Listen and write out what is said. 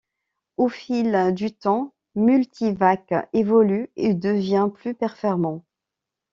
Au fil du temps, Multivac évolue et devient plus performant.